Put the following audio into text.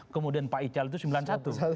kemudian pak ical itu sembilan puluh satu